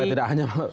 supaya tidak hanya